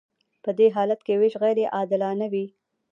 په دې حالت کې ویش غیر عادلانه وي.